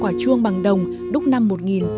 quả chuông bằng đồng đúc năm một nghìn tám trăm linh bốn